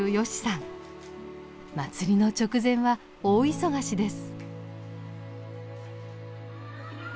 祭りの直前は大忙しです。